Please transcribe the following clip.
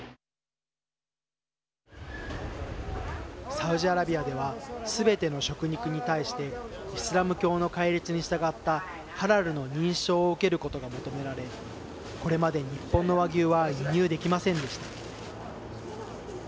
サウジアラビアではすべての食肉に対してイスラム教の戒律に従ったハラルの認証を受けることが求められこれまで日本の和牛は輸入できませんでした。